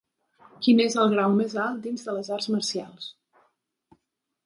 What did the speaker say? Quin és el grau més alt dins de les arts marcials?